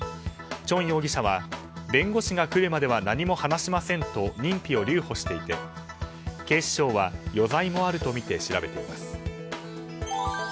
全容疑者は弁護士が来るまでは何も話しませんと認否を留保していて、警視庁は余罪もあるとみて調べています。